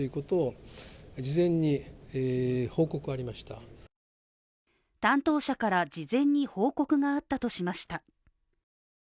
ただ担当者から事前に報告があったとしました。